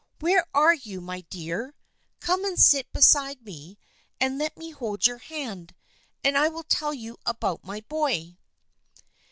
" Where are you, my dear ? Come and sit beside me and let me hold your hand, and I will tell you about my boy."